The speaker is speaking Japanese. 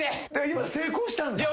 今成功したんだ。